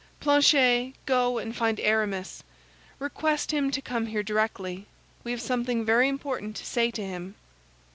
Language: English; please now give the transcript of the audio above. Planchet, go and find Aramis. Request him to come here directly. We have something very important to say to him."